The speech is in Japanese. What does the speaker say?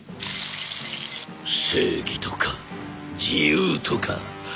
正義とか自由とか。